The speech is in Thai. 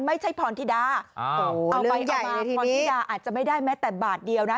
พรธิดาเอาไปยาพรธิดาอาจจะไม่ได้แม้แต่บาทเดียวนะ